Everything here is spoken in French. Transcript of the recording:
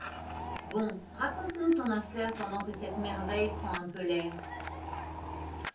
Bon, raconte-nous ton affaire pendant que cette merveille prend un peu l’air.